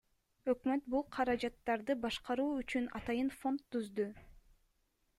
Өкмөт бул каражаттарды башкаруу үчүн атайын фонд түздү.